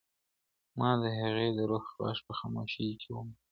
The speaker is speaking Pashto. ما د هغې د روح غږ په خاموشۍ کې وموند.